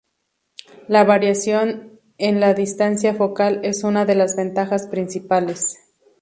La variación en la distancia focal es una de las ventajas principales.